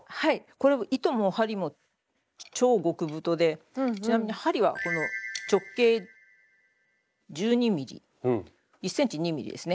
これ糸も針も超極太でちなみに針はこの直径１２ｍｍ１ｃｍ２ｍｍですね。